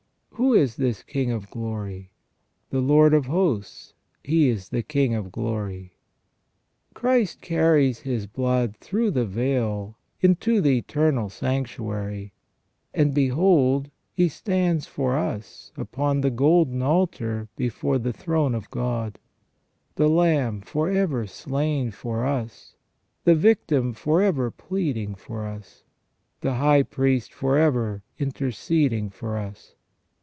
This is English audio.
" Who is this King of Glory ?" The Lord of Hosts ; He is the King of Glory." Christ carries His blood through the veil into the eternal sanctuary, and behold He stands for us upon the golden altar before the throne of God ; the Lamb for ever slain for us ; the Victim for ever pleading for us ; the High Priest for ever inter ceding for us.